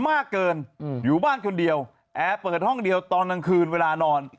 มากเกินอยู่บ้านคนเดียวแอร์เปิดห้องเดียวตอนกลางคืนเวลานอน